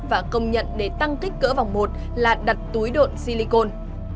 và công nhận để tăng kích cỡ vòng một là đặt túi độn silicon